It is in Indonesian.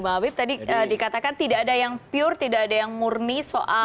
bang habib tadi dikatakan tidak ada yang pure tidak ada yang murni soal